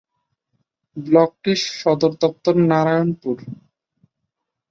ব্লকটির সদর দপ্তর নারায়ণপুর।